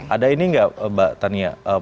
ada ini nggak mbak tania